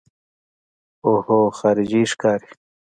اوهو خارجۍ ښکاري.